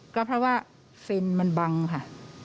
ก็เพราะว่าฟินมันบังค่ะ